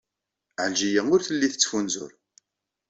Ɛelǧiya ur telli tettfunzur.